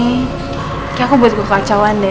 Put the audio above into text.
kayaknya aku buat gua kacauan deh